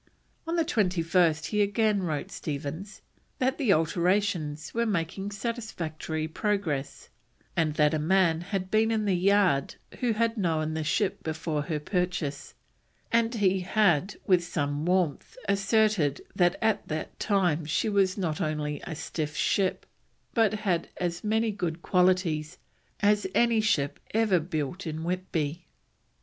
On the 21st he again wrote Stephens that the alterations were making satisfactory progress, and that a man had been in the yard who had known the ship before her purchase, and he had "with some warmth asserted that at that time she was not only a stiff ship, but had as many good qualities as any ship ever built in Whitby."